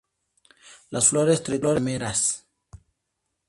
Las flores tetrámeras.